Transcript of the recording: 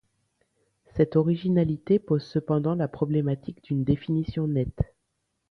Cette originalité pose cependant la problématique d'une définition nette.